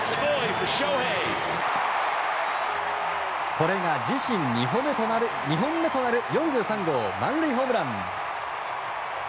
これが自身２本目となる４３号満塁ホームラン。